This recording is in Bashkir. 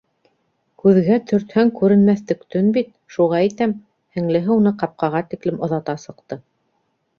Күҙгә төртһәң күренмәҫтек төн бит - шуға әйтәм, - һеңлеһе уны ҡапҡаға тиклем оҙата сыҡты.